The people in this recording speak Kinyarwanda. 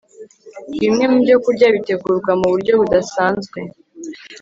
Bimwe mu byokurya bitegurwa mu buryo budasanzwe